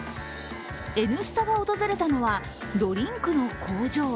「Ｎスタ」が訪れたのはドリンクの工場。